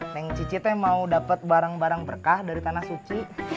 yang cicitnya mau dapat barang barang berkah dari tanah suci